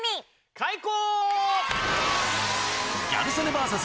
開講！